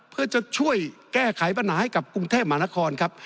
เพื่อจะช่วยแก้ไขปัญหาให้กับกรุงเทพมหานครครับ